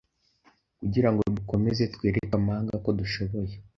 kugira ngo dukomeze twereke amahanga ko dushoboye